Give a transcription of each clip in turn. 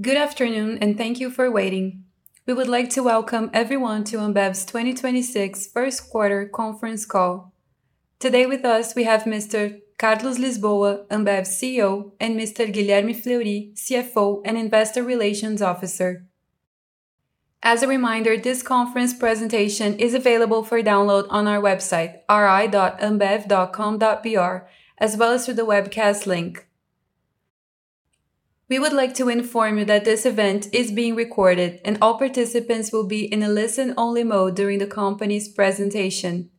Good afternoon and thank you for waiting. We would like to welcome everyone to Ambev's 2026 first quarter conference call. Today with us we have Mr. Carlos Lisboa, Ambev's CEO, and Mr. Guilherme Fleury, CFO and Investor Relations officer. As a reminder, this conference presentation is available for download on our website, ri.ambev.com.br, as well as through the webcast link. We would like to inform you that this event is being recorded, and all participants will be in a listen-only mode during the company's presentation.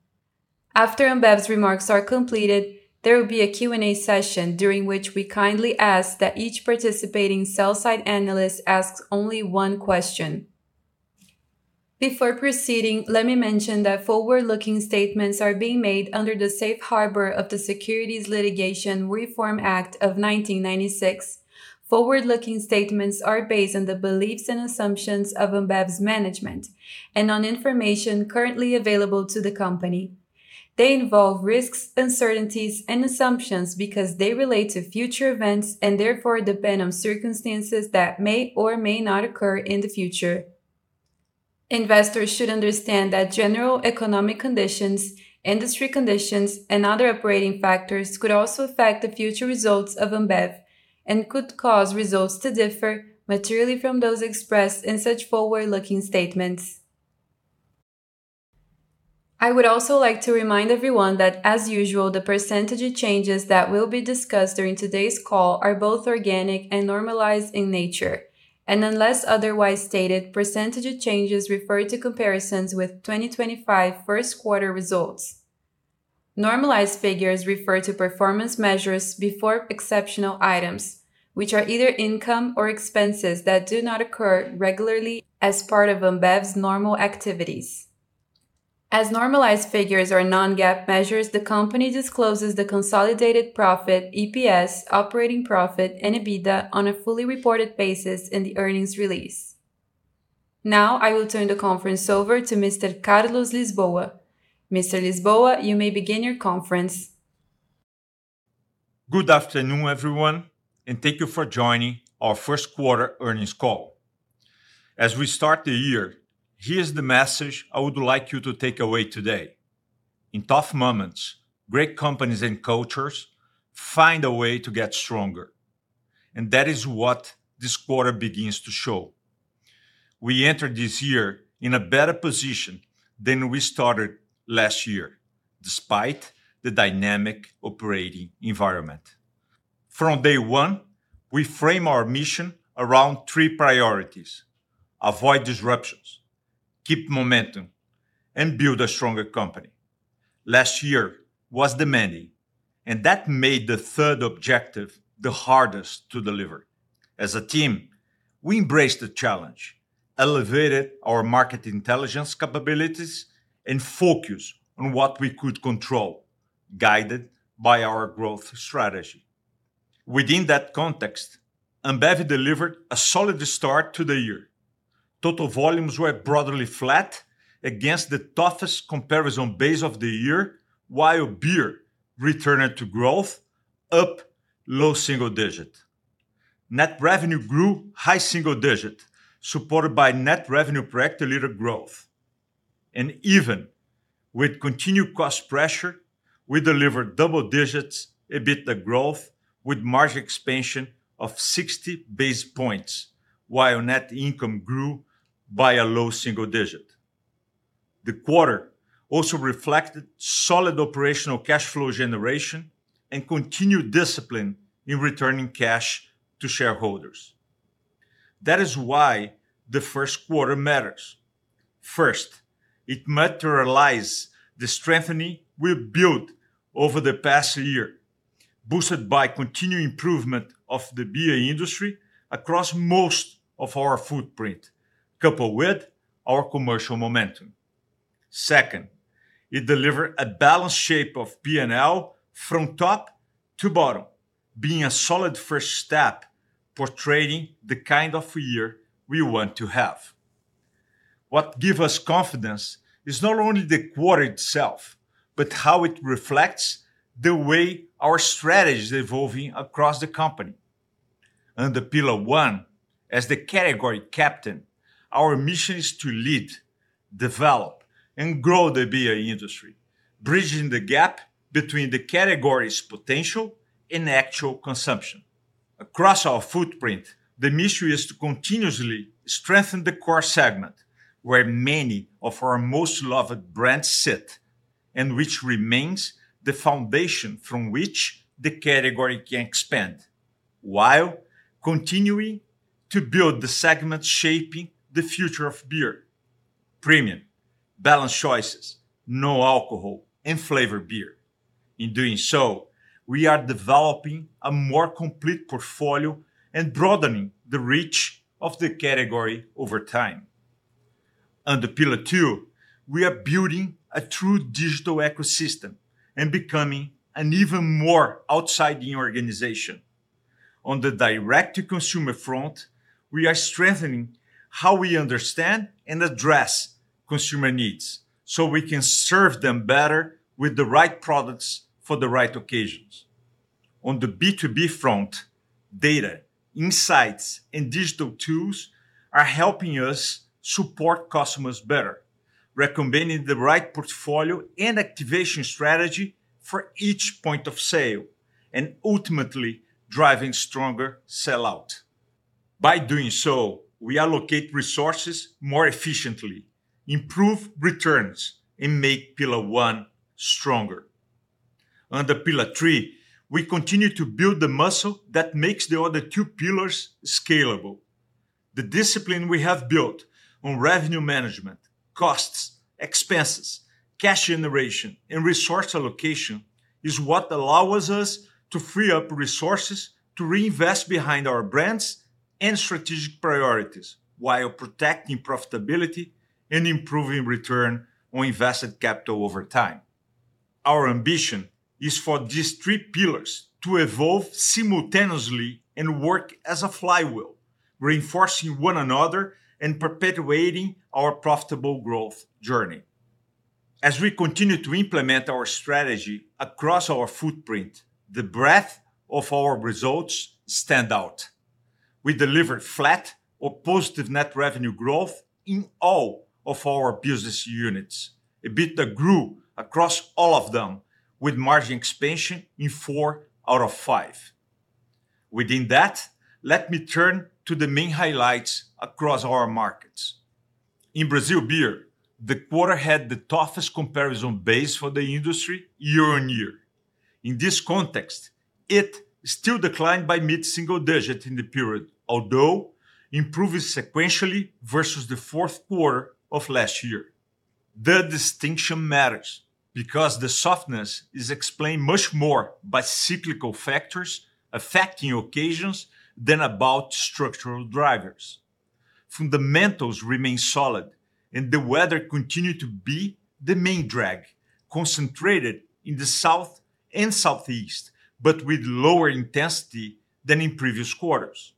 After Ambev's remarks are completed, there will be a Q&A session during which we kindly ask that each participating sell-side analyst asks only one question. Before proceeding, let me mention that forward-looking statements are being made under the safe harbor of the Private Securities Litigation Reform Act of 1996. Forward-looking statements are based on the beliefs and assumptions of Ambev's management and on information currently available to the company. They involve risks, uncertainties and assumptions because they relate to future events and therefore depend on circumstances that may or may not occur in the future. Investors should understand that general economic conditions, industry conditions and other operating factors could also affect the future results of Ambev and could cause results to differ materially from those expressed in such forward-looking statements. I would also like to remind everyone that, as usual, the % of changes that will be discussed during today's call are both organic and normalized in nature. Unless otherwise stated, % of changes refer to comparisons with 2025 first quarter results. Normalized figures refer to performance measures before exceptional items, which are either income or expenses that do not occur regularly as part of Ambev's normal activities. As normalized figures are non-GAAP measures, the company discloses the consolidated profit, EPS, operating profit and EBITDA on a fully reported basis in the earnings release. I will turn the conference over to Mr. Carlos Lisboa. Mr. Lisboa, you may begin your conference. Good afternoon, everyone, thank you for joining our first quarter earnings call. As we start the year, here's the message I would like you to take away today. In tough moments, great companies and cultures find a way to get stronger, and that is what this quarter begins to show. We entered this year in a better position than we started last year, despite the dynamic operating environment. From day one, we frame our mission around three priorities: avoid disruptions, keep momentum, and build a stronger company. Last year was demanding, and that made the third objective the hardest to deliver. As a team, we embraced the challenge, elevated our market intelligence capabilities and focused on what we could control, guided by our growth strategy. Within that context, Ambev delivered a solid start to the year. Total volumes were broadly flat against the toughest comparison base of the year, while beer returned to growth, up low single digit. Net revenue grew high single digit, supported by net revenue per hectolitre growth. Even with continued cost pressure, we delivered double digits, EBITDA growth with margin expansion of 60 basis points, while net income grew by a low single digit. The quarter also reflected solid operational cash flow generation and continued discipline in returning cash to shareholders. That is why the first quarter matters. First, it materialize the strengthening we've built over the past year, boosted by continued improvement of the beer industry across most of our footprint, coupled with our commercial momentum. Second, it delivered a balanced shape of P&L from top to bottom, being a solid first step for trading the kind of year we want to have. What give us confidence is not only the quarter itself, but how it reflects the way our strategy is evolving across the company. Under Pillar one, as the category captain, our mission is to lead, develop and grow the beer industry, bridging the gap between the category's potential and actual consumption. Across our footprint, the mission is to continuously strengthen the core segment where many of our most loved brands sit, and which remains the foundation from which the category can expand, while continuing to build the segment, shaping the future of beer: premium, balanced choices, no alcohol and flavored beer. In doing so, we are developing a more complete portfolio and broadening the reach of the category over time. Under Pillar two, we are building a true digital ecosystem and becoming an even more outside-in organization. On the direct-to-consumer front, we are strengthening how we understand and address consumer needs, so we can serve them better with the right products for the right occasions. On the B2B front, data, insights, and digital tools are helping us support customers better, recommending the right portfolio and activation strategy for each point of sale, and ultimately, driving stronger sell out. By doing so, we allocate resources more efficiently, improve returns, and make pillar one stronger. Under pillar three, we continue to build the muscle that makes the other two pillars scalable. The discipline we have built on revenue management, costs, expenses, cash generation, and resource allocation is what allows us to free up resources to reinvest behind our brands and strategic priorities while protecting profitability and improving return on invested capital over time. Our ambition is for these three pillars to evolve simultaneously and work as a flywheel, reinforcing one another and perpetuating our profitable growth journey. As we continue to implement our strategy across our footprint, the breadth of our results stands out. We delivered flat or positive net revenue growth in all of our business units. EBITDA grew across all of them, with margin expansion in four out of five. Within that, let me turn to the main highlights across our markets. In Brazil Beer, the quarter had the toughest comparison base for the industry year-over-year. In this context, it still declined by mid-single digit in the period, although improving sequentially versus the fourth quarter of last year. The distinction matters because the softness is explained much more by cyclical factors affecting occasions than about structural drivers. Fundamentals remain solid. The weather continued to be the main drag, concentrated in the South and Southeast, but with lower intensity than in previous quarters.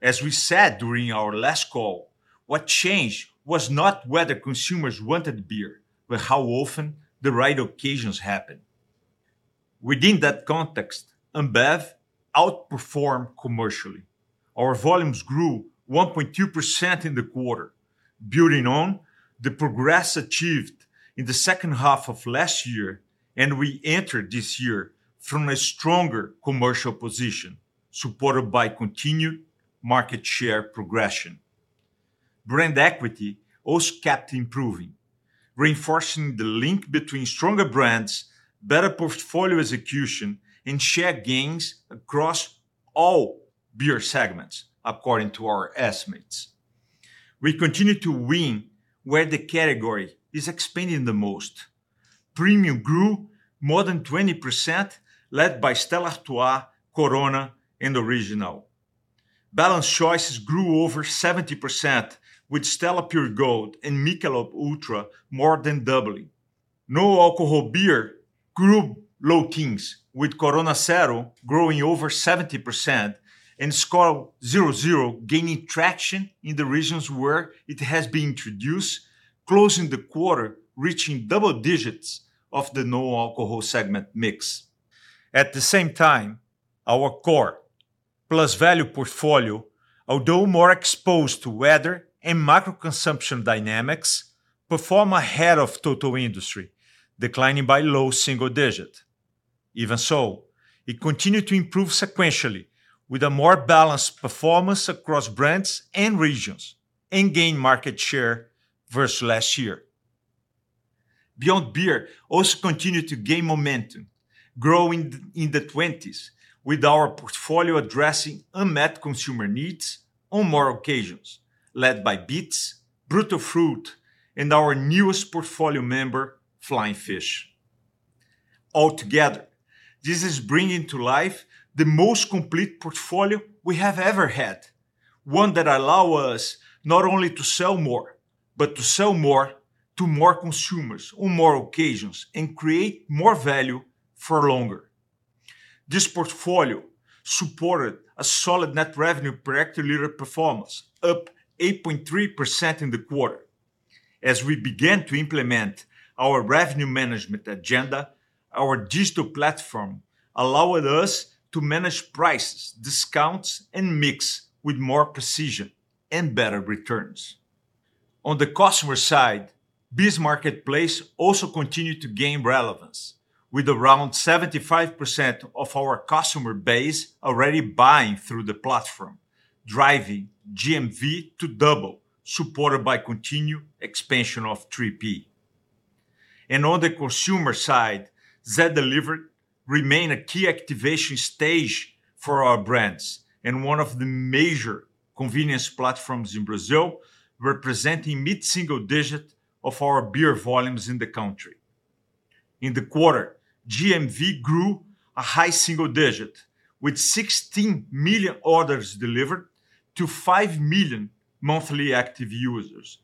As we said during our last call, what changed was not whether consumers wanted beer, but how often the right occasions happened. Within that context, Ambev outperformed commercially. Our volumes grew 1.2% in the quarter, building on the progress achieved in the second half of last year, and we entered this year from a stronger commercial position, supported by continued market share progression. Brand equity also kept improving, reinforcing the link between stronger brands, better portfolio execution, and share gains across all beer segments, according to our estimates. We continue to win where the category is expanding the most. Premium grew more than 20%, led by Stella Artois, Corona, and Original. Balanced choices grew over 70%, with Stella Pure Gold and Michelob ULTRA more than doubling. No alcohol beer grew low teens, with Corona Cero growing over 70% and Skol Zero Zero gaining traction in the regions where it has been introduced, closing the quarter, reaching double digits of the no alcohol segment mix. At the same time, our core plus value portfolio, although more exposed to weather and macro consumption dynamics, perform ahead of total industry, declining by low single digit. Even so, it continued to improve sequentially with a more balanced performance across brands and regions and gain market share versus last year. Beyond Beer also continued to gain momentum, growing in the 20s, with our portfolio addressing unmet consumer needs on more occasions, led by Beats, Brutal Fruit, and our newest portfolio member, Flying Fish. All together this is bringing to life the most complete portfolio we have ever had. One that allow us not only to sell more, but to sell more to more consumers on more occasions and create more value for longer. This portfolio supported a solid net revenue per hectoliter performance, up 8.3% in the quarter. As we began to implement our revenue management agenda, our digital platform allowed us to manage prices, discounts, and mix with more precision and better returns. On the customer side, BEES Marketplace also continued to gain relevance, with around 75% of our customer base already buying through the platform, driving GMV to double, supported by continued expansion of 3P. On the consumer side, Zé Delivery remain a key activation stage for our brands and one of the major convenience platforms in Brazil, representing mid-single digit of our beer volumes in the country. In the quarter, GMV grew a high single digit with 16 million orders delivered to 5 million monthly active users,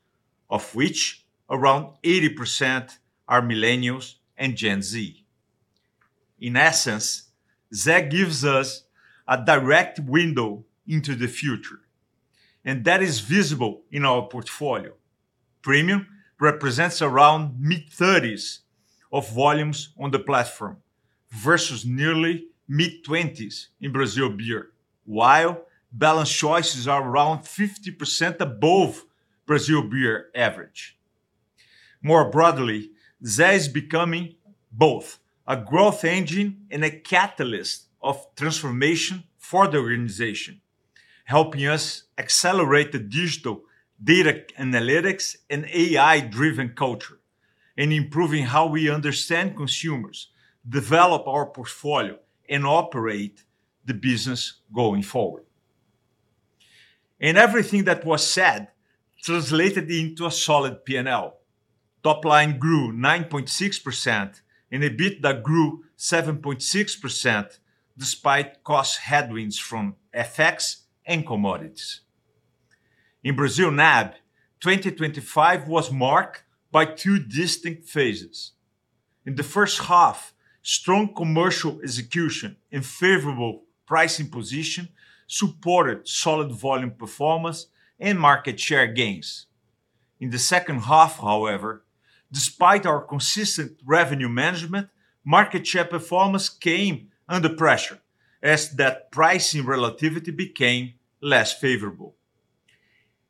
of which around 80% are millennials and Gen Z. In essence, Zé Delivery gives us a direct window into the future, and that is visible in our portfolio. Premium represents around mid-thirties of volumes on the platform versus nearly mid-twenties in Brazil beer, while balanced choices are around 50% above Brazil beer average. More broadly, Zé Delivery is becoming both a growth engine and a catalyst of transformation for the organization, helping us accelerate the digital data analytics and AI-driven culture, and improving how we understand consumers, develop our portfolio, and operate the business going forward. Everything that was said translated into a solid P&L. Top line grew 9.6% and EBITDA grew 7.6% despite cost headwinds from FX and commodities. In Brazil NAB, 2025 was marked by two distinct phases. In the first half, strong commercial execution and favorable pricing position supported solid volume performance and market share gains. In the second half, however, despite our consistent revenue management, market share performance came under pressure as that pricing relativity became less favorable.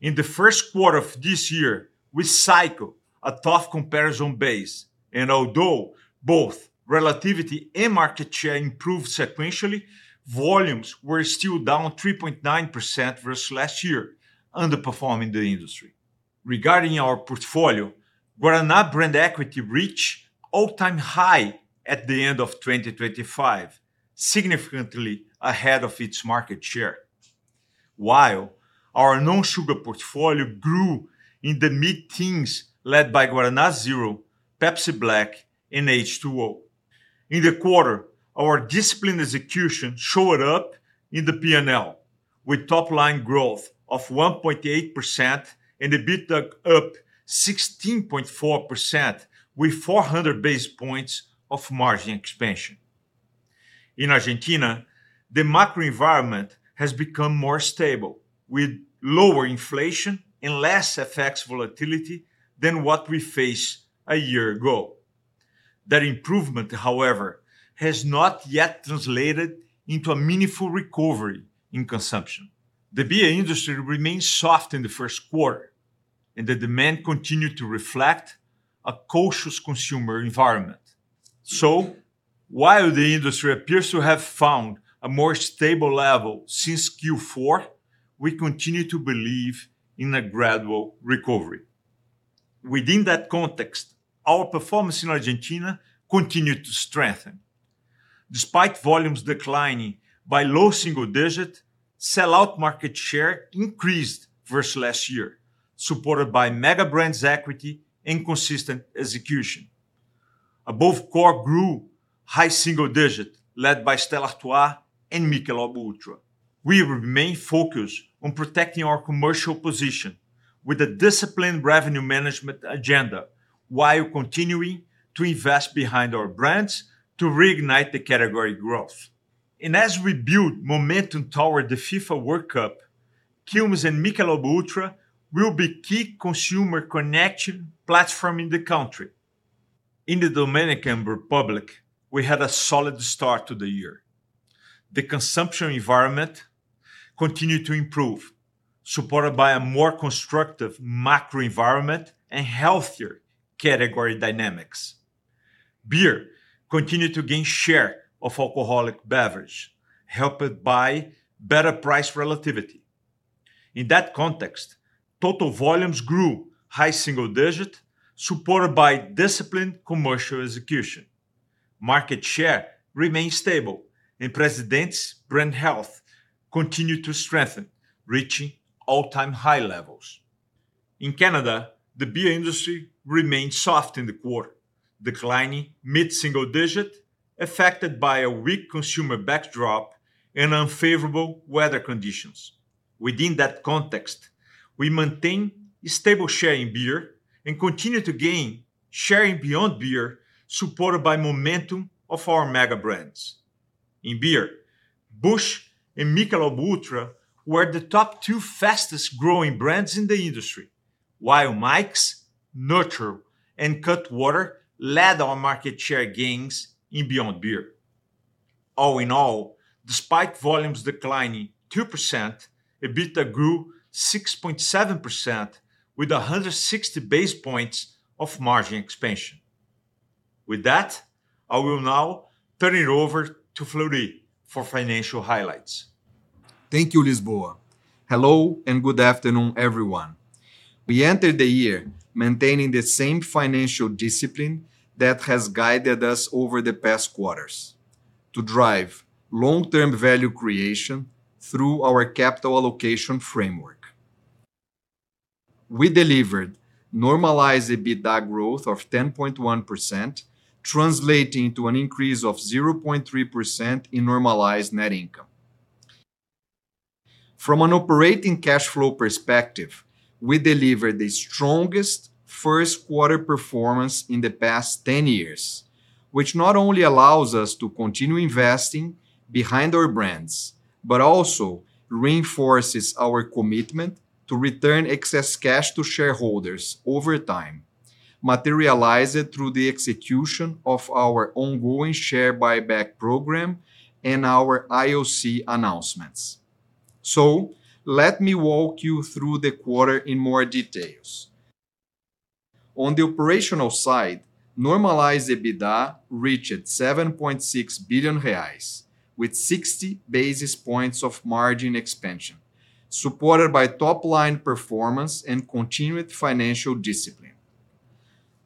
In the first quarter of this year, we cycle a tough comparison base, and although both relativity and market share improved sequentially, volumes were still down 3.9% versus last year, underperforming the industry. Regarding our portfolio, Guaraná brand equity reached all-time high at the end of 2025, significantly ahead of its market share. While our non-sugar portfolio grew in the mid-teens, led by Guaraná Zero, Pepsi Black and H2OH!. In the quarter, our disciplined execution showed up in the P&L with top line growth of 1.8% and EBITDA up 16.4% with 400 basis points of margin expansion. In Argentina, the macro environment has become more stable with lower inflation and less FX volatility than what we faced a year ago. That improvement, however, has not yet translated into a meaningful recovery in consumption. The beer industry remains soft in the first quarter, the demand continued to reflect a cautious consumer environment. While the industry appears to have found a more stable level since Q4, we continue to believe in a gradual recovery. Within that context, our performance in Argentina continued to strengthen. Despite volumes declining by low single-digit, sell-out market share increased versus last year, supported by mega brands equity and consistent execution. Above core grew high single-digit, led by Stella Artois and Michelob ULTRA. We remain focused on protecting our commercial position with a disciplined revenue management agenda while continuing to invest behind our brands to reignite the category growth. As we build momentum toward the FIFA World Cup, Quilmes and Michelob ULTRA will be key consumer connection platform in the country. In the Dominican Republic, we had a solid start to the year. The consumption environment continued to improve, supported by a more constructive macro environment and healthier category dynamics. Beer continued to gain share of alcoholic beverage, helped by better price relativity. In that context, total volumes grew high single-digit, supported by disciplined commercial execution. Market share remained stable, and Presidente's brand health continued to strengthen, reaching all-time high levels. In Canada, the beer industry remained soft in the quarter, declining mid-single digit, affected by a weak consumer backdrop and unfavorable weather conditions. Within that context, we maintain stable share in beer and continue to gain share in beyond beer, supported by momentum of our mega brands. In beer, Busch and Michelob ULTRA were the top two fastest growing brands in the industry, while Mike's, Natural Light and Cutwater led our market share gains in beyond beer. All in all, despite volumes declining 2%, EBITDA grew 6.7% with 160 basis points of margin expansion. With that, I will now turn it over to Fleury for financial highlights. Thank you, Lisboa. Hello and good afternoon, everyone. We entered the year maintaining the same financial discipline that has guided us over the past quarters to drive long-term value creation through our capital allocation framework. We delivered normalized EBITDA growth of 10.1%, translating to an increase of 0.3% in normalized net income. From an operating cash flow perspective, we delivered the strongest first quarter performance in the past 10 years, which not only allows us to continue investing behind our brands, but also reinforces our commitment to return excess cash to shareholders over time, materialized through the execution of our ongoing share buyback program and our IOC announcements. Let me walk you through the quarter in more details. On the operational side, normalized EBITDA reached 7.6 billion reais, with 60 basis points of margin expansion, supported by top line performance and continued financial discipline.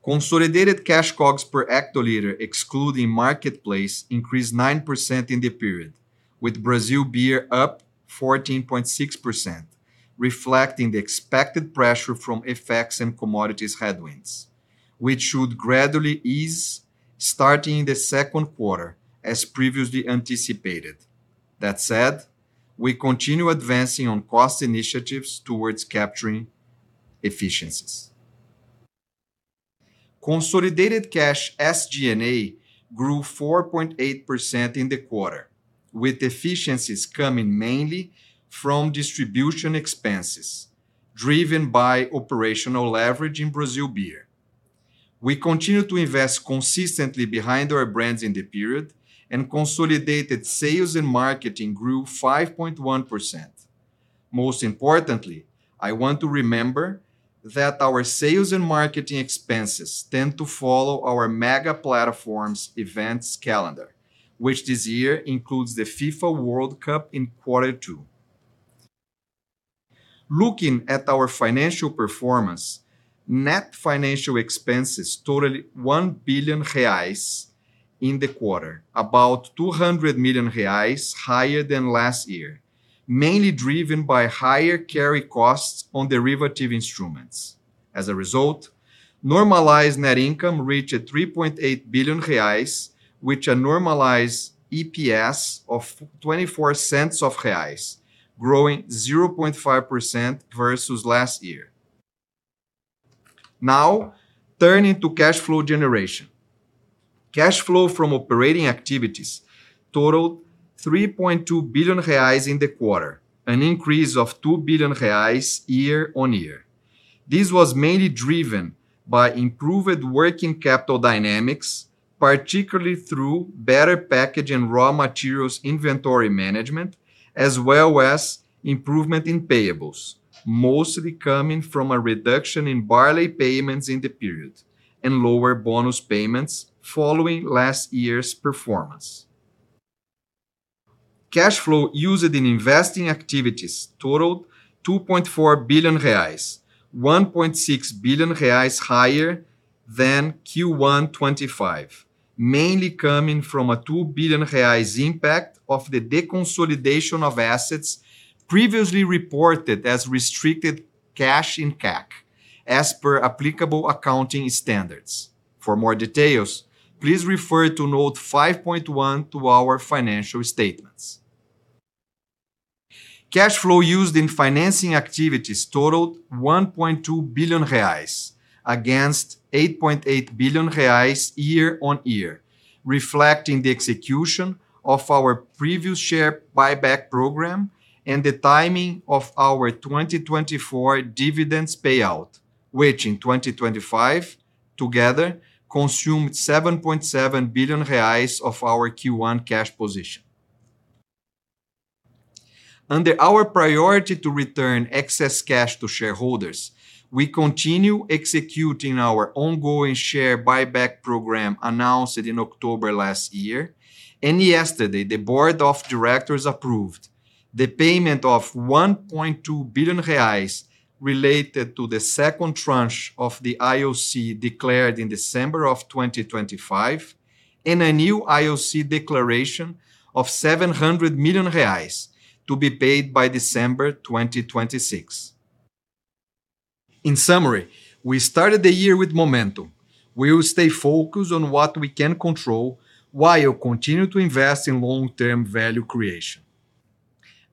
Consolidated cash COGS per hectoliter excluding marketplace increased 9% in the period, with Brazil beer up 14.6%, reflecting the expected pressure from FX and commodities headwinds, which should gradually ease starting in the second quarter, as previously anticipated. That said, we continue advancing on cost initiatives towards capturing efficiencies. Consolidated cash SG&A grew 4.8% in the quarter, with efficiencies coming mainly from distribution expenses, driven by operational leverage in Brazil beer. We continued to invest consistently behind our brands in the period, and consolidated sales and marketing grew 5.1%. Most importantly, I want to remember that our sales and marketing expenses tend to follow our mega platforms events calendar, which this year includes the FIFA World Cup in Quarter 2. Looking at our financial performance, net financial expenses totaled 1 billion reais in the quarter, about 200 million reais higher than last year, mainly driven by higher carry costs on derivative instruments. As a result, normalized net income reached 3.8 billion reais, which a normalized EPS of 0.24, growing 0.5% versus last year. Turning to cash flow generation. Cash flow from operating activities totaled 3.2 billion reais in the quarter, an increase of 2 billion reais year-on-year. This was mainly driven by improved working capital dynamics, particularly through better packaging raw materials inventory management, as well as improvement in payables, mostly coming from a reduction in barley payments in the period and lower bonus payments following last year's performance. Cash flow used in investing activities totaled 2.4 billion reais, 1.6 billion reais higher than Q1 2025, mainly coming from a 2 billion reais impact of the deconsolidation of assets previously reported as restricted cash in CAC, as per applicable accounting standards. For more details, please refer to note 5.1 to our financial statements. Cash flow used in financing activities totaled 1.2 billion reais against 8.8 billion reais year-on-year, reflecting the execution of our previous share buyback program and the timing of our 2024 dividends payout, which in 2025 together consumed 7.7 billion reais of our Q1 cash position. Under our priority to return excess cash to shareholders, we continue executing our ongoing share buyback program announced in October last year. Yesterday, the board of directors approved the payment of 1.2 billion reais related to the second tranche of the IOC declared in December of 2025 and a new IOC declaration of 700 million reais to be paid by December 2026. In summary, we started the year with momentum. We will stay focused on what we can control while continue to invest in long-term value creation.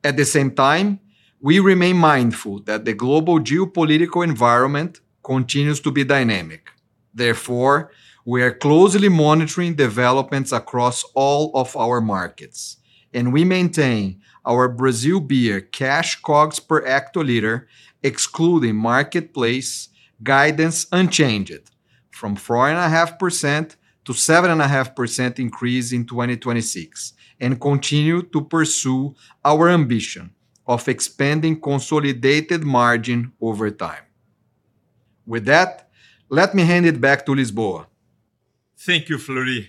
At the same time, we remain mindful that the global geopolitical environment continues to be dynamic. Therefore, we are closely monitoring developments across all of our markets, and we maintain our Brazil beer cash COGS per hectoliter excluding marketplace guidance unchanged from 4.5%-7.5% increase in 2026 and continue to pursue our ambition of expanding consolidated margin over time. With that, let me hand it back to Lisboa. Thank you, Fleury.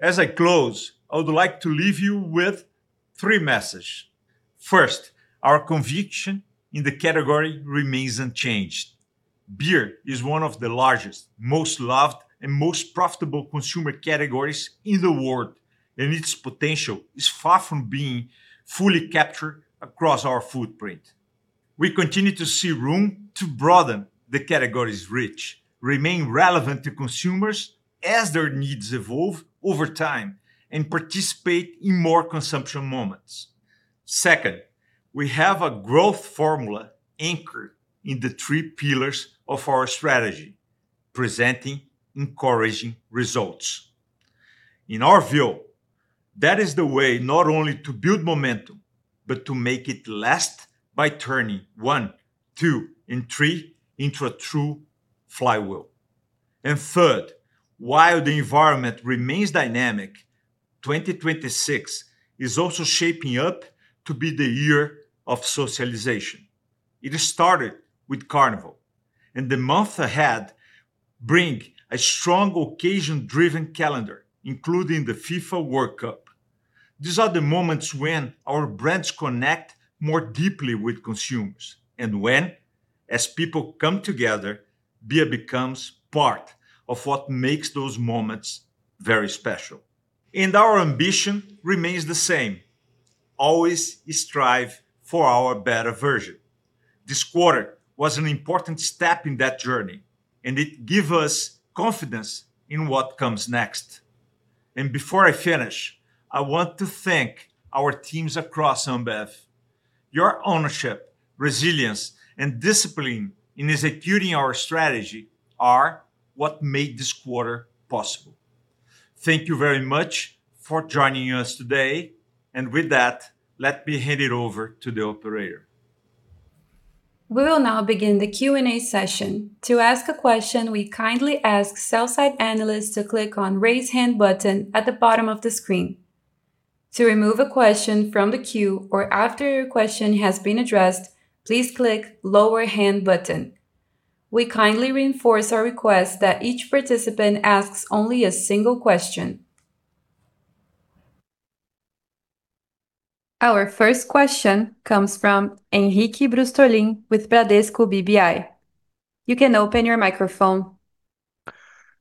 As I close, I would like to leave you with three message. First, our conviction in the category remains unchanged. Beer is one of the largest, most loved and most profitable consumer categories in the world, and its potential is far from being fully captured across our footprint. We continue to see room to broaden the category's reach, remain relevant to consumers as their needs evolve over time, and participate in more consumption moments. Second, we have a growth formula anchored in the three pillars of our strategy, presenting encouraging results. In our view, that is the way not only to build momentum, but to make it last by turning one, two, and three into a true flywheel. Third, while the environment remains dynamic, 2026 is also shaping up to be the year of socialization. It has started with Carnival, and the month ahead bring a strong occasion-driven calendar, including the FIFA World Cup. These are the moments when our brands connect more deeply with consumers and when, as people come together, beer becomes part of what makes those moments very special. Our ambition remains the same: always strive for our better version. This quarter was an important step in that journey, and it give us confidence in what comes next. Before I finish, I want to thank our teams across Ambev. Your ownership, resilience, and discipline in executing our strategy are what made this quarter possible. Thank you very much for joining us today. With that, let me hand it over to the operator. We will now begin the Q&A session. To ask a question, we kindly ask sell-side analysts to click on Raise Hand button at the bottom of the screen. To remove a question from the queue or after your question has been addressed, please click Lower Hand button. We kindly reinforce our request that each participant asks only a single question. Our first question comes from Henrique Brustolin with Bradesco BBI. You can open your microphone.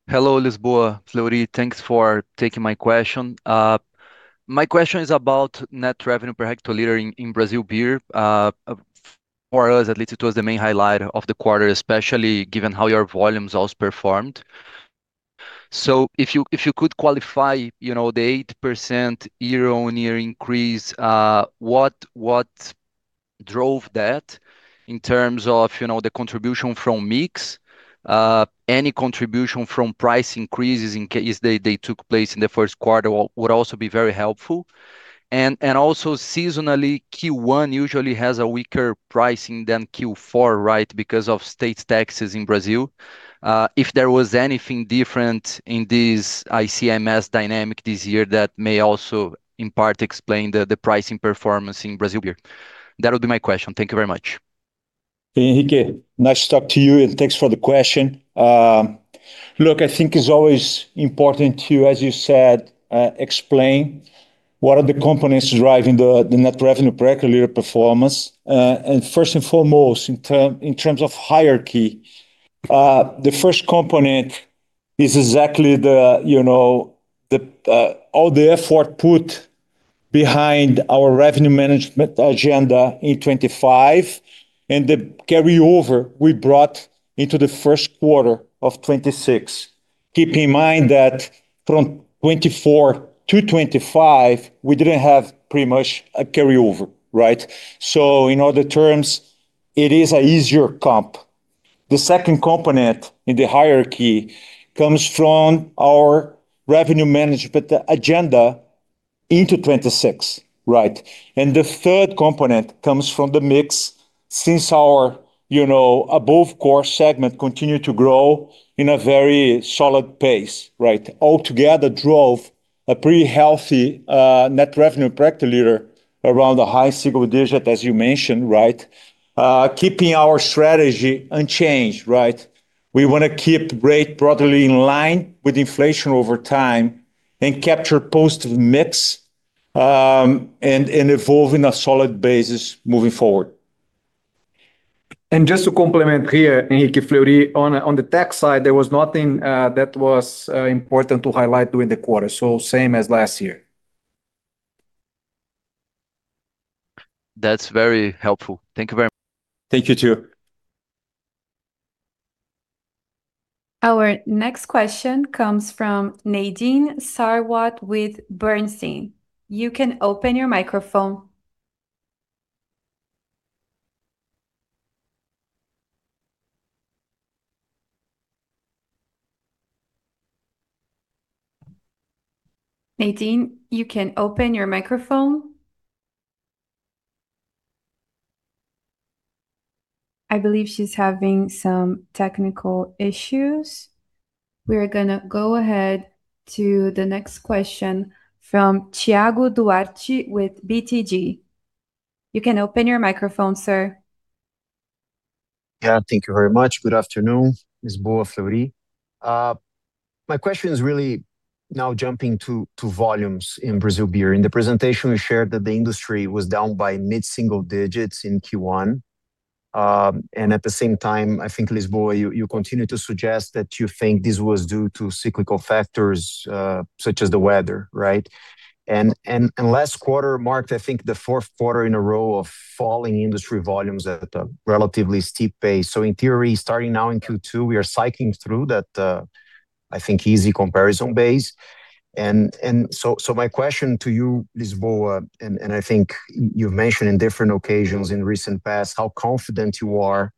Hello, Lisboa, Fleury. Thanks for taking my question. My question is about net revenue per hectoliter in Brazil Beer. For us at least, it was the main highlight of the quarter, especially given how your volumes also performed. If you could qualify, you know, the 8% year-on-year increase, what drove that in terms of, you know, the contribution from mix? Any contribution from price increases in case they took place in the first quarter would also be very helpful. Also seasonally, Q1 usually has a weaker pricing than Q4, right, because of state taxes in Brazil. If there was anything different in this ICMS dynamic this year that may also in part explain the pricing performance in Brazil Beer. That would be my question. Thank you very much. Hey, Henrique. Nice to talk to you, and thanks for the question. Look, I think it's always important to, as you said, explain what are the components driving the net revenue per hectoliter performance. First and foremost, in terms of hierarchy, the first component is exactly you know, all the effort put behind our revenue management agenda in 2025 and the carryover we brought into the first quarter of 2026. Keep in mind that from 2024 to 2025, we didn't have pretty much a carryover, right? In other terms, it is a easier comp. The second component in the hierarchy comes from our revenue management agenda into 2026, right? The third component comes from the mix since our, you know, above core segment continued to grow in a very solid pace, right? All together drove a pretty healthy net revenue per hectoliter around a high single digit, as you mentioned, right? Keeping our strategy unchanged, right? We wanna keep rate broadly in line with inflation over time and capture post mix and evolve in a solid basis moving forward. Just to complement here, Henrique, Fleury, on the tax side, there was nothing that was important to highlight during the quarter, so same as last year. That's very helpful. Thank you very much. Thank you too. Our next question comes from Nadine Sarwat with Bernstein. You can open your microphone. Nadine, you can open your microphone. I believe she is having some technical issues. We are gonna go ahead to the next question from Thiago Duarte with BTG. You can open your microphone, sir. Yeah. Thank you very much. Good afternoon, Lisboa, Fleury. My question is really now jumping to volumes in Brazil beer. In the presentation, we shared that the industry was down by mid-single digits in Q1. At the same time, I think, Lisboa, you continue to suggest that you think this was due to cyclical factors, such as the weather, right? Last quarter marked, I think, the fourth quarter in a row of falling industry volumes at a relatively steep pace. In theory, starting now in Q2, we are cycling through that, I think, easy comparison base. My question to you, Lisboa, and I think you've mentioned in different occasions in recent past how confident you are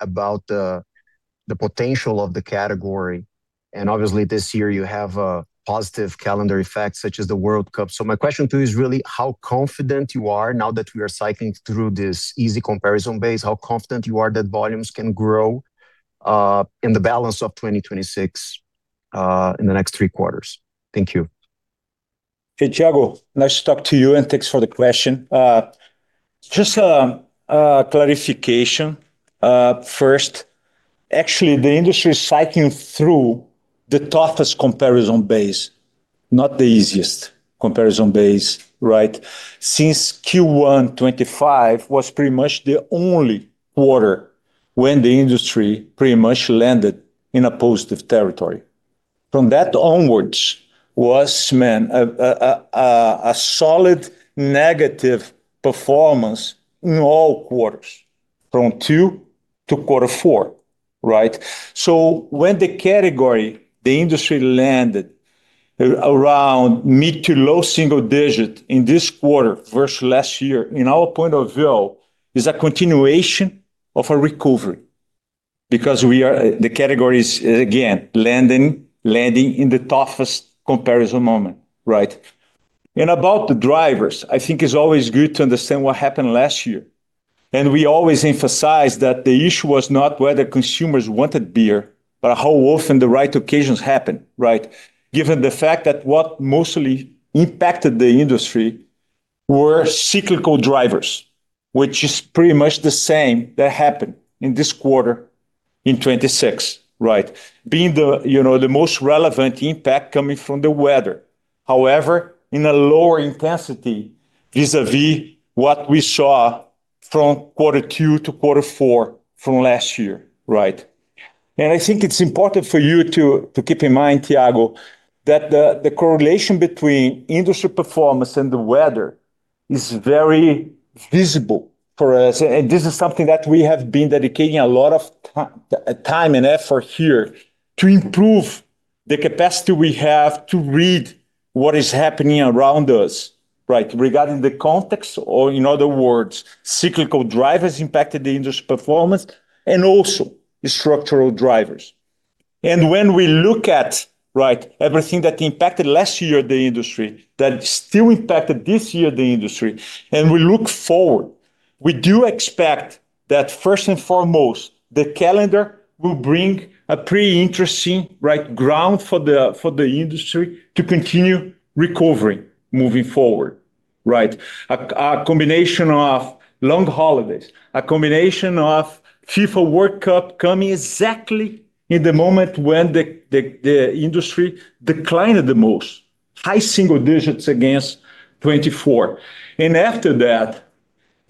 about the potential of the category. Obviously, this year you have a positive calendar effect, such as the World Cup. My question to you is really how confident you are, now that we are cycling through this easy comparison base, how confident you are that volumes can grow in the balance of 2026, in the next three quarters. Thank you. Hey, Thiago. Nice to talk to you, and thanks for the question. Just a clarification. First, actually, the industry is cycling through the toughest comparison base, not the easiest comparison base, right? Since Q1 2025 was pretty much the only quarter when the industry pretty much landed in a positive territory. From that onwards was, man, a solid negative performance in all quarters, from two to Quarter 4, right? When the category, the industry landed around mid to low single digit in this quarter versus last year, in our point of view, is a continuation of a recovery because we are, the category is again landing in the toughest comparison moment, right? About the drivers, I think it's always good to understand what happened last year. We always emphasize that the issue was not whether consumers wanted beer, but how often the right occasions happened, right? Given the fact that what mostly impacted the industry were cyclical drivers, which is pretty much the same that happened in this quarter in 2026, right? Being the, you know, the most relevant impact coming from the weather. In a lower intensity vis-a-vis what we saw from Quarter 2 to Quarter 4 from last year, right? I think it's important for you to keep in mind, Thiago, that the correlation between industry performance and the weather is very visible for us. This is something that we have been dedicating a lot of time and effort here to improve the capacity we have to read what is happening around us, right? Regarding the context or in other words, cyclical drivers impacted the industry performance and also the structural drivers. When we look at everything that impacted last year the industry that still impacted this year the industry, and we look forward, we do expect that first and foremost, the calendar will bring a pretty interesting ground for the industry to continue recovering moving forward. A combination of long holidays, a combination of FIFA World Cup coming exactly in the moment when the industry declined the most. High single digits against 2024. After that,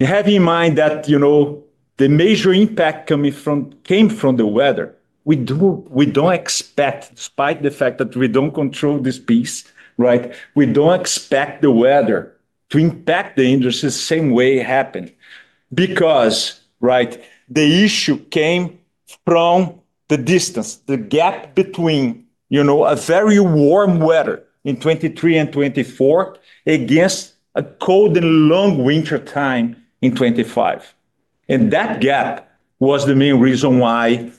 have in mind that, you know, the major impact came from the weather. We don't expect, despite the fact that we don't control this piece. We don't expect the weather to impact the industry the same way it happened because, right, the issue came from the distance, the gap between, you know, a very warm weather in 2023 and 2024 against a cold and long winter time in 2025. That gap was the main reason why,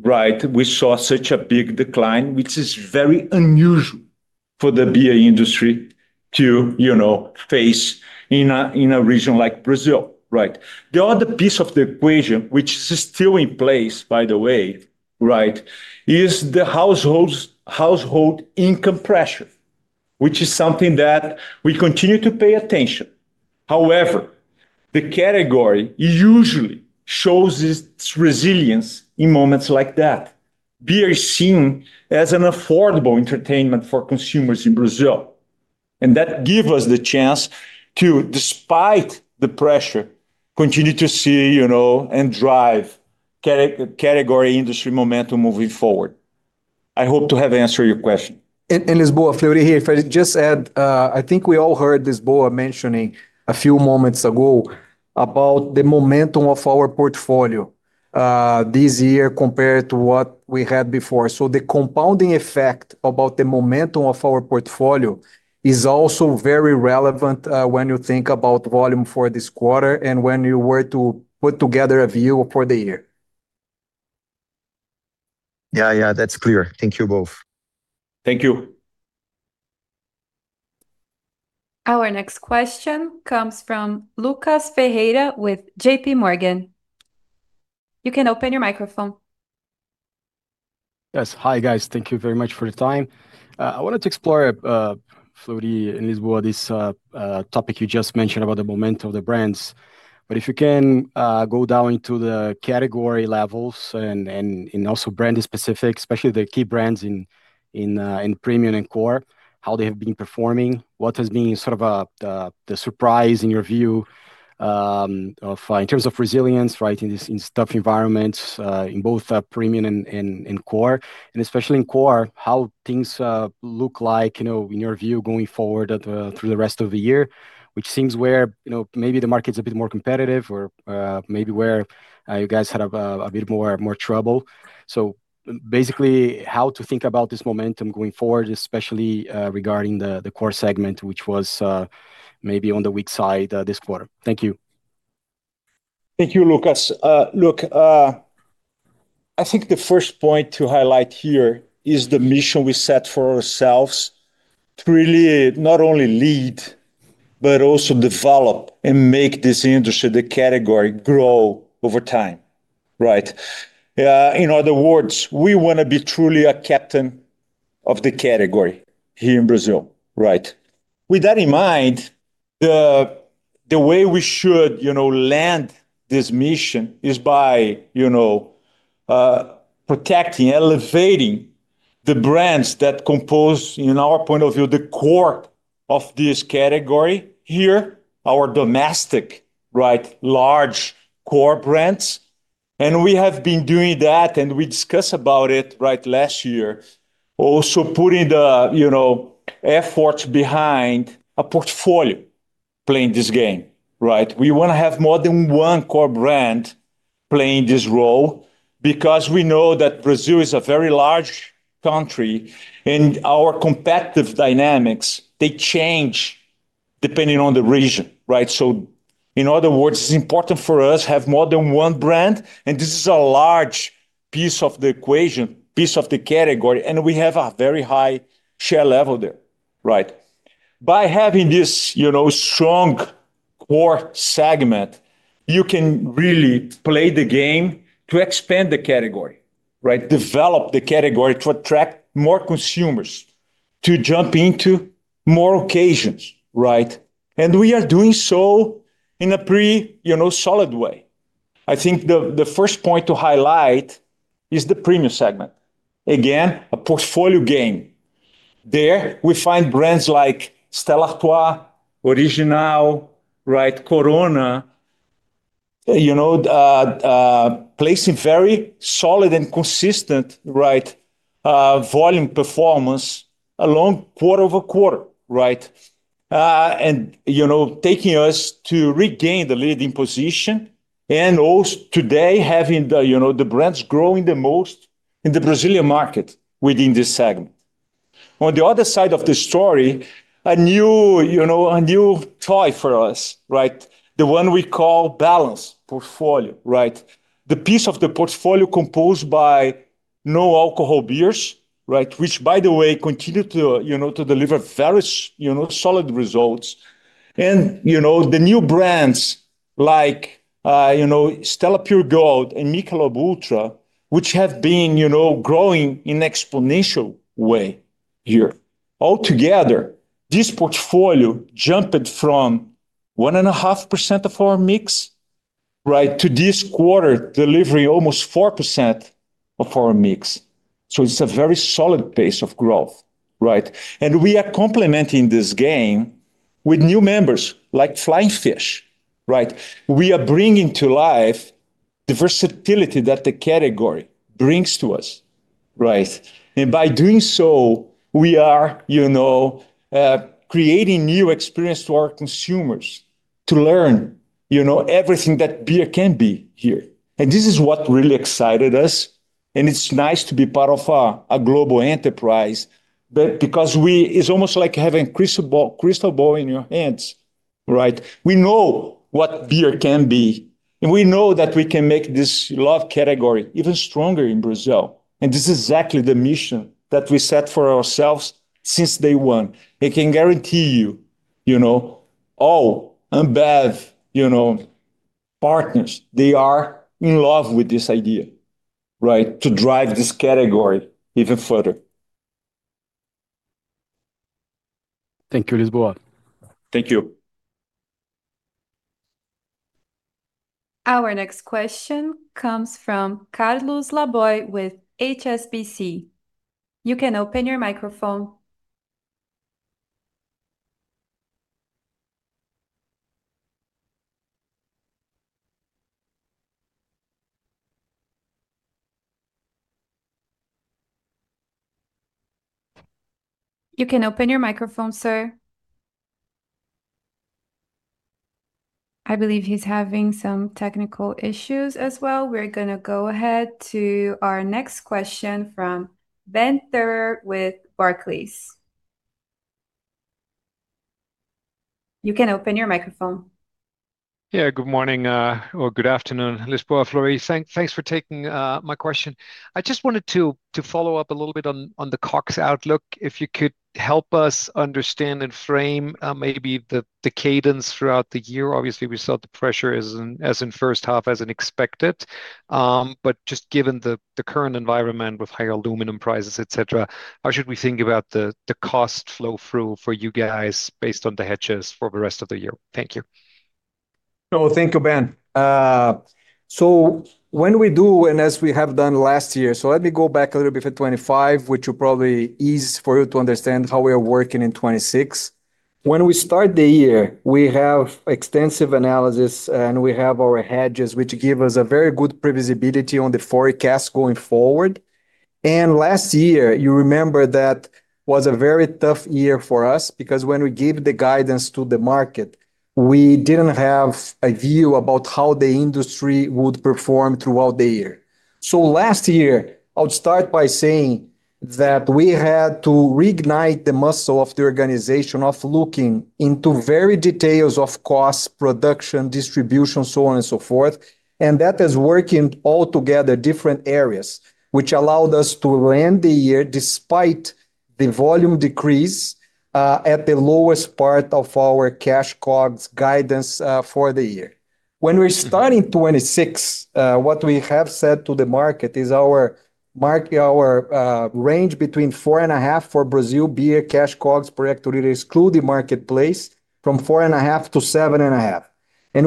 right, we saw such a big decline, which is very unusual for the beer industry to, you know, face in a, in a region like Brazil, right? The other piece of the equation, which is still in place by the way, right, is the households, household income pressure, which is something that we continue to pay attention. However, the category usually shows its resilience in moments like that. Beer is seen as an affordable entertainment for consumers in Brazil, and that give us the chance to, despite the pressure, continue to see, you know, and drive category industry momentum moving forward. I hope to have answered your question. Lisboa, Fleury here. If I could just add, I think we all heard Lisboa mentioning a few moments ago about the momentum of our portfolio this year compared to what we had before. The compounding effect about the momentum of our portfolio is also very relevant when you think about volume for this quarter and when you were to put together a view for the year. Yeah, yeah. That's clear. Thank you both. Thank you. Our next question comes from Lucas Ferreira with J.P. Morgan. You can open your microphone. Yes. Hi, guys. Thank you very much for the time. I wanted to explore Fleury and Lisboa, this topic you just mentioned about the momentum of the brands. If you can go down into the category levels and also brand specific, especially the key brands in premium and core, how they have been performing. What has been sort of the surprise in your view of in terms of resilience, right, in this tough environments in both premium and core. Especially in core, how things look like, you know, in your view going forward at through the rest of the year. Which seems where, you know, maybe the market's a bit more competitive or maybe where you guys had a bit more trouble. Basically, how to think about this momentum going forward, especially regarding the core segment, which was maybe on the weak side this quarter? Thank you. Thank you, Lucas. I think the first point to highlight here is the mission we set for ourselves to really not only lead, but also develop and make this industry, the category, grow over time. In other words, we wanna be truly a captain of the category here in Brazil. With that in mind, the way we should, you know, land this mission is by, you know, protecting, elevating the brands that compose, in our point of view, the core of this category here, our domestic, right, large core brands. We have been doing that, and we discussed about it, last year. Also putting, you know, efforts behind a portfolio playing this game. We wanna have more than one core brand playing this role because we know that Brazil is a very large country, and our competitive dynamics, they change depending on the region, right? In other words, it's important for us have more than one brand, and this is a large piece of the equation, piece of the category, and we have a very high share level there, right? By having this, you know, strong core segment, you can really play the game to expand the category, right? Develop the category to attract more consumers to jump into more occasions, right? We are doing so in a pretty, you know, solid way. I think the first point to highlight is the premium segment. Again, a portfolio game. There we find brands like Stella Artois, Original, right, Corona, you know, placing very solid and consistent, right, volume performance along quarter-over-quarter. You know, taking us to regain the leading position and also today having the, you know, the brands growing the most in the Brazilian market within this segment. On the other side of the story, a new, you know, a new toy for us, right? The one we call balance portfolio, right? The piece of the portfolio composed by no-alcohol beers, right? Which by the way, continue to, you know, to deliver very solid results. You know, the new brands like, you know, Stella Artois Pure Gold and Michelob ULTRA, which have been, you know, growing in exponential way here. All together, this portfolio jumped from 1.5% of our mix, right, to this quarter delivering almost 4% of our mix. It's a very solid pace of growth, right? We are complementing this game with new members like Flying Fish, right? We are bringing to life the versatility that the category brings to us, right? By doing so, we are, you know, creating new experience to our consumers to learn, you know, everything that beer can be here. This is what really excited us, and it's nice to be part of a global enterprise. Because we It's almost like having crystal ball in your hands, right? We know what beer can be, and we know that we can make this love category even stronger in Brazil, and this is exactly the mission that we set for ourselves since day one. I can guarantee you know, all InBev, you know, partners, they are in love with this idea, right, to drive this category even further. Thank you, Lisboa. Thank you. Our next question comes from Carlos Laboy with HSBC. You can open your microphone. You can open your microphone, sir. I believe he's having some technical issues as well. We're gonna go ahead to our next question from Ben Theurer with Barclays. You can open your microphone. Good morning, or good afternoon. Lisboa, Fleury, thanks for taking my question. I just wanted to follow up a little bit on the COGS outlook. If you could help us understand and frame maybe the cadence throughout the year. Obviously, we saw the pressure as in first half as expected. Just given the current environment with higher aluminum prices, et cetera, how should we think about the cost flow through for you guys based on the hedges for the rest of the year? Thank you. No, thank you, Ben. When we do, and as we have done last year, let me go back a little bit for 2025, which will probably ease for you to understand how we are working in 2026. When we start the year, we have extensive analysis, and we have our hedges, which give us a very good predictability on the forecast going forward. Last year, you remembered that was a very tough year for us because when we gave the guidance to the market, we didn't have a view about how the industry would perform throughout the year. Last year, I would start by saying that we had to reignite the muscle of the organization of looking into very details of cost, production, distribution, so on and so forth. That is working altogether different areas, which allowed us to end the year despite the volume decrease, at the lowest part of our cash COGS guidance for the year. When we are starting 2026, what we have said to the market is our range between 4.5 for Brazil beer cash COGS per hectolitre exclude the marketplace from 4.5 to 7.5.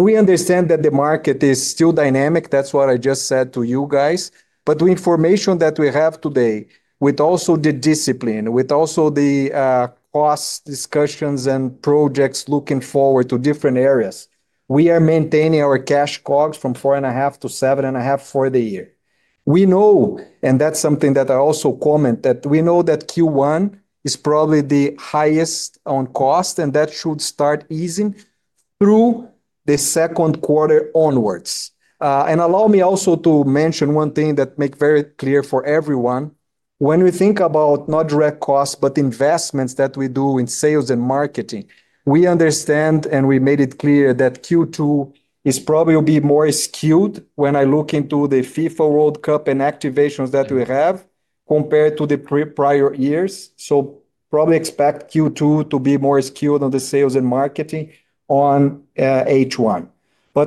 We understand that the market is still dynamic. That's what I just said to you guys. The information that we have today, with also the discipline, with also the cost discussions and projects looking forward to different areas, we are maintaining our cash COGS from 4.5 to 7.5 for the year. We know, and that's something that I also comment, that we know that Q1 is probably the highest on cost, and that should start easing through the second quarter onwards. Allow me also to mention one thing that make very clear for everyone. When we think about not direct costs, but investments that we do in sales and marketing, we understand and we made it clear that Q2 is probably will be more skewed when I look into the FIFA World Cup and activations that we have compared to the prior years. Probably expect Q2 to be more skewed on the sales and marketing on H1.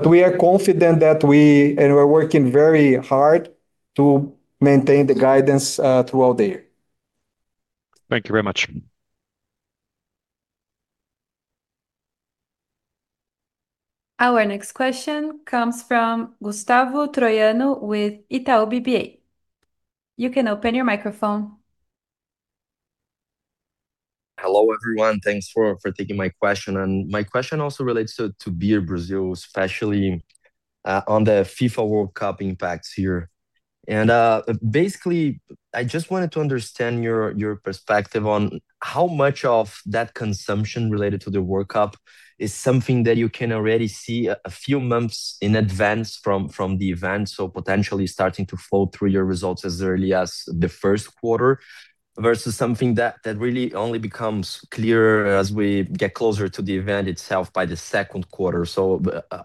We are confident that we're working very hard to maintain the guidance throughout the year. Thank you very much. Our next question comes from Gustavo Troiano with Itaú BBA. You can open your microphone. Hello, everyone. Thanks for taking my question. My question also relates to Beer Brazil, especially on the FIFA World Cup impacts here. Basically, I just wanted to understand your perspective on how much of that consumption related to the World Cup is something that you can already see a few months in advance from the event, so potentially starting to flow through your results as early as the first quarter versus something that really only becomes clear as we get closer to the event itself by the second quarter.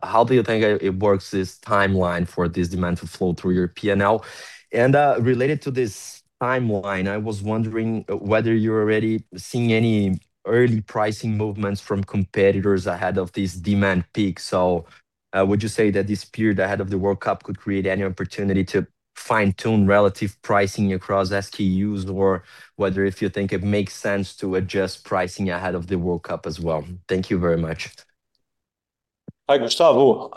How do you think it works, this timeline for this demand to flow through your P&L? Related to this timeline, I was wondering whether you're already seeing any early pricing movements from competitors ahead of this demand peak. Would you say that this period ahead of the World Cup could create any opportunity to fine-tune relative pricing across SKUs, or whether if you think it makes sense to adjust pricing ahead of the World Cup as well? Thank you very much. Hi, Gustavo.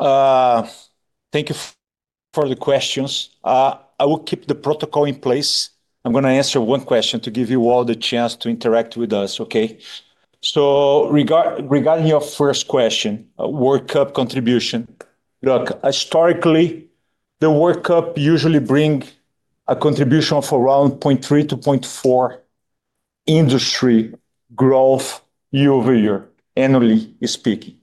Thank you for the questions. I will keep the protocol in place. I'm gonna answer one question to give you all the chance to interact with us, okay? Regarding your first question, World Cup contribution. Look, historically, the World Cup usually bring a contribution of around 0.3 to 0.4 industry growth year-over-year, annually speaking.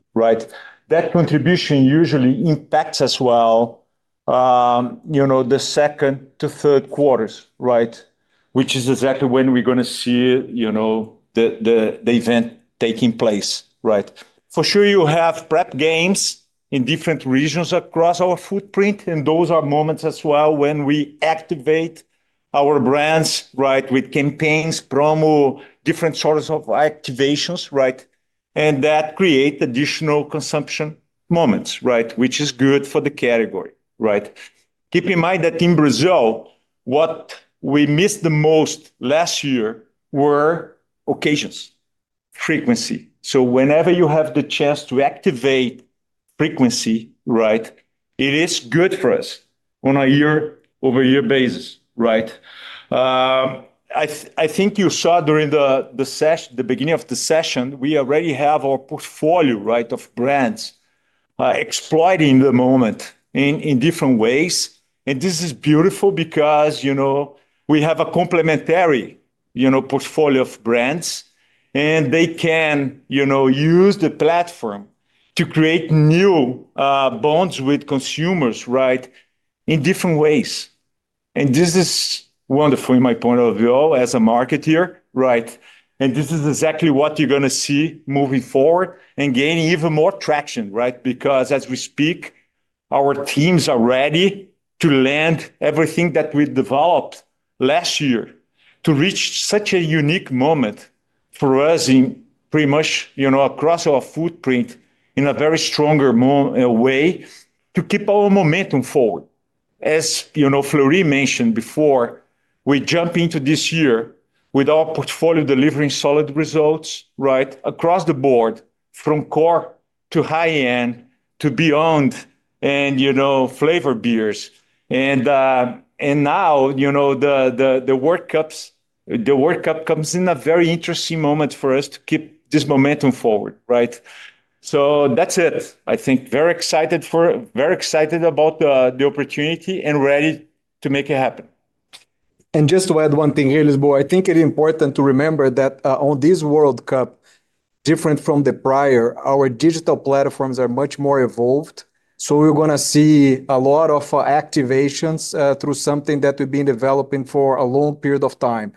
That contribution usually impacts as well, you know, the second to third quarters. Which is exactly when we're gonna see, you know, the event taking place. For sure, you have prep games in different regions across our footprint, and those are moments as well when we activate our brands, right, with campaigns, promo, different sorts of activations. That create additional consumption moments. Which is good for the category. Keep in mind that in Brazil, what we missed the most last year were occasions, frequency. Whenever you have the chance to activate frequency, it is good for us on a year-over-year basis. I think you saw during the beginning of the session, we already have our portfolio of brands, exploiting the moment in different ways. This is beautiful because, you know, we have a complementary, you know, portfolio of brands, and they can, you know, use the platform to create new bonds with consumers in different ways. This is wonderful in my point of view as a marketer, right? This is exactly what you're gonna see moving forward and gaining even more traction, right? As we speak, our teams are ready to land everything that we developed last year to reach such a unique moment for us in pretty much, you know, across our footprint in a very stronger way to keep our momentum forward. As, you know, Fleury mentioned before, we jump into this year with our portfolio delivering solid results, right, across the board from core to high-end to beyond and, you know, flavor BEES. Now, you know, the World Cup comes in a very interesting moment for us to keep this momentum forward, right? That's it. I think very excited about the opportunity and ready to make it happen. Just to add one thing here, Lisboa. I think it important to remember that on this World Cup, different from the prior, our digital platforms are much more evolved, so we're gonna see a lot of activations through something that we've been developing for a long period of time.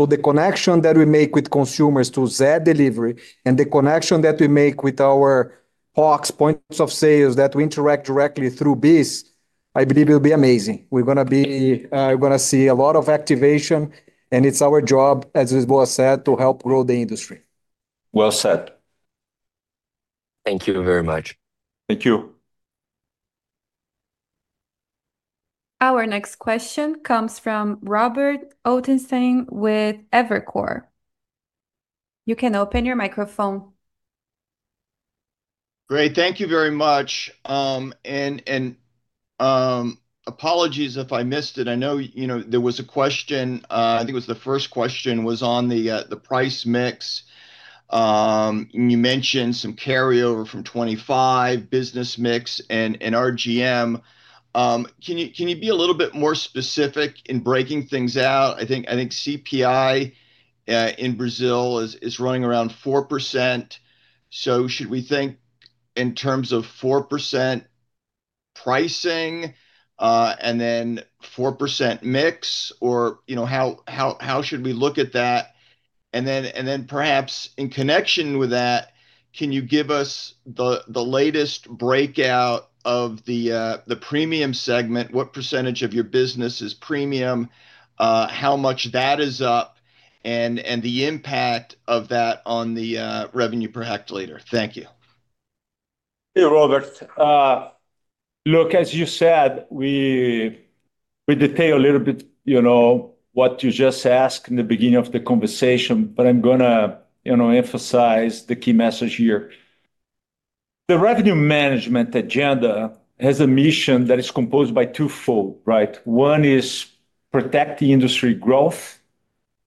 The connection that we make with consumers through Zé Delivery and the connection that we make with our POCs, points of sales that we interact directly through BEES, I believe it'll be amazing. We're gonna be, we're gonna see a lot of activation, and it's our job, as Lisboa said, to help grow the industry. Well said. Thank you very much. Thank you. Our next question comes from Robert Ottenstein with Evercore. You can open your microphone. Great. Thank you very much. Apologies if I missed it. I know there was a question, I think it was the first question, was on the price mix. You mentioned some carryover from 2025 business mix and RGM. Can you be a little bit more specific in breaking things out? I think CPI in Brazil is running around 4%, so should we think in terms of 4% pricing and then 4% mix? How should we look at that? Perhaps in connection with that, can you give us the latest breakout of the premium segment? What percentage of your business is premium, how much that is up, and the impact of that on the revenue per hectoliter? Thank you. Robert. Look, as you said, we detail a little bit, you know, what you just asked in the beginning of the conversation. I'm gonna, you know, emphasize the key message here. The revenue management agenda has a mission that is composed by twofold, right? One is protect the industry growth,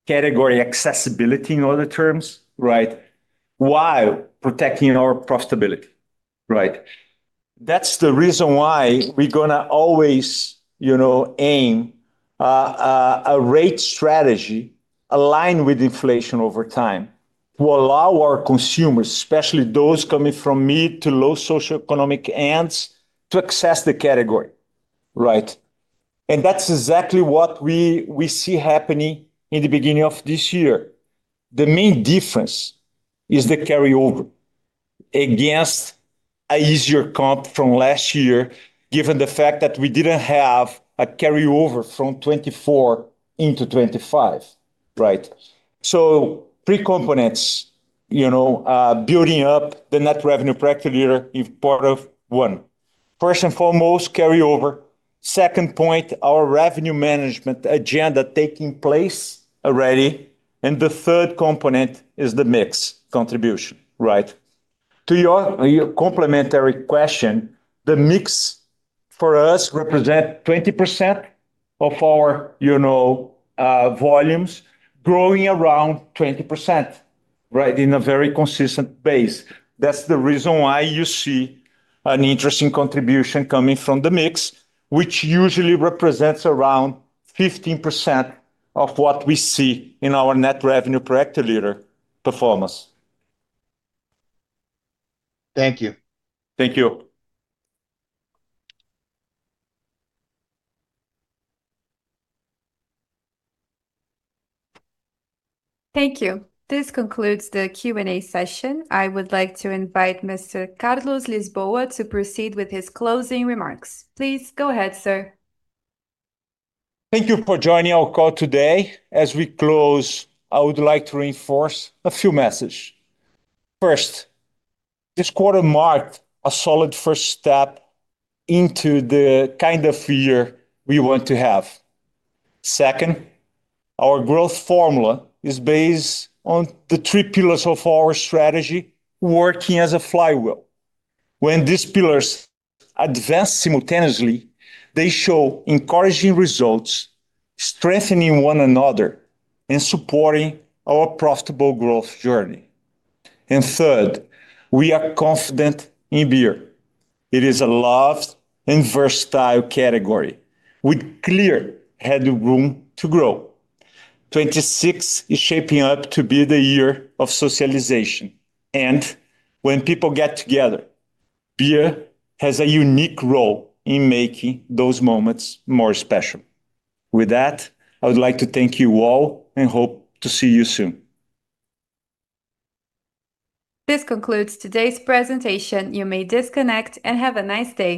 category accessibility in other terms, right? While protecting our profitability, right? That's the reason why we're gonna always, you know, aim a rate strategy aligned with inflation over time to allow our consumers, especially those coming from mid to low socioeconomic ends, to access the category, right? That's exactly what we see happening in the beginning of this year. The main difference is the carryover against a easier comp from last year, given the fact that we didn't have a carryover from 2024 into 2025, right? Three components, you know, building up the net revenue per hectoliter in part of one. First and foremost, carryover. Second point, our revenue management agenda taking place already. The third component is the mix contribution, right? To your complimentary question, the mix for us represent 20% of our, you know, volumes growing around 20%, right? In a very consistent base. That's the reason why you see an interesting contribution coming from the mix, which usually represents around 15% of what we see in our net revenue per hectoliter performance. Thank you. Thank you. Thank you. This concludes the Q&A session. I would like to invite Mr. Carlos Lisboa to proceed with his closing remarks. Please go ahead, sir. Thank you for joining our call today. As we close, I would like to reinforce a few messages. First, this quarter marked a solid first step into the kind of year we want to have. Second, our growth formula is based on the 3 pillars of our strategy working as a flywheel. When these pillars advance simultaneously, they show encouraging results, strengthening one another, and supporting our profitable growth journey. Third, we are confident in beer. It is a loved and versatile category with clear headroom to grow. 2026 is shaping up to be the year of socialization. When people get together, beer has a unique role in making those moments more special. With that, I would like to thank you all and hope to see you soon. This concludes today's presentation. You may disconnect and have a nice day.